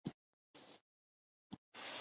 د هیات لېږل یو څه وځنډول.